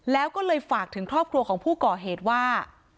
แล้วก็เลยฝากถึงครอบครัวของผู้ก่อเหตุว่า